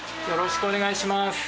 よろしくお願いします。